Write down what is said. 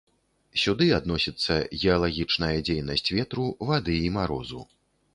Сюды адносіцца геалагічная дзейнасць ветру, вады і марозу.